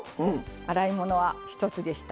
洗い物は一つでした。